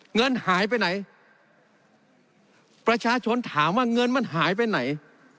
เงินหายไปไหนประชาชนถามว่าเงินมันหายไปไหน